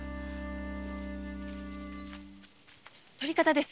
捕り方です。